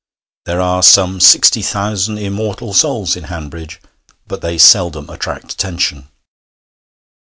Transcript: There are some sixty thousand immortal souls in Hanbridge, but they seldom attract attention.